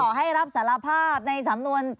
คือต่อให้รับสารภาพในสำนวน